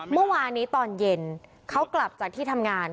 เมื่อวานนี้ตอนเย็นเขากลับจากที่ทำงาน